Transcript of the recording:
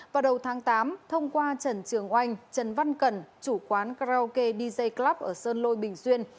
vào đầu tháng tám thông qua trần trường oanh trần văn cẩn chủ quán karaoke dj club ở sơn lôi bình xuyên